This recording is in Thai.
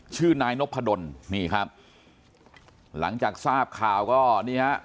ชื่อนายนพดลนี่ครับหลังจากทราบข่าวก็นี่ฮะ